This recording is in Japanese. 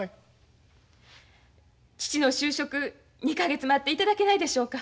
父の就職２か月待っていただけないでしょうか？